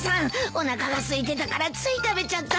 おなかがすいてたからつい食べちゃった。